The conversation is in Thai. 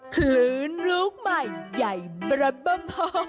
คลื่นลูกใหม่ใหญ่บรบบม